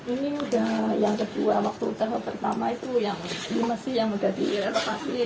ini udah yang kedua waktu tahap pertama itu yang lima sih yang udah direnovasi